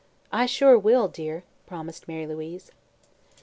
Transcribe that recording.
"I sure will, dear," promised Mary Louise.